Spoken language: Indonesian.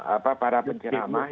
apa para penceramah